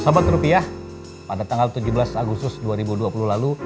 satu rupiah pada tanggal tujuh belas agustus dua ribu dua puluh lalu